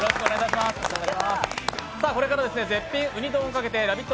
これから絶品ウニ丼をかけてラヴィット！